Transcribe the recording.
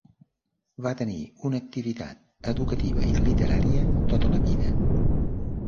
Va tenir una activitat educativa i literària tota la vida.